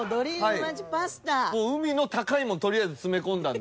もう海の高いもん